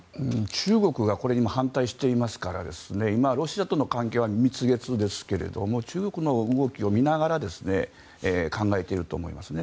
中国がこれに今、反対していますから今、ロシアとの関係は蜜月ですけども中国の動きを見ながら考えていると思いますね。